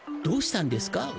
どうしたんですか？